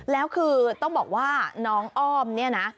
แล้วคือต้องบอกว่าน้องอ้อมเนี่ยนะ